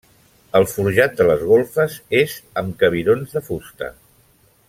El forjat de les golfes és amb cabirons de fusta.